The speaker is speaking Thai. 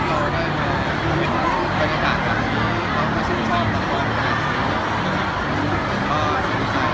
ทังแรกในชีวิตของเราก็ได้ในประกาศเป็นอาจารย์หวาน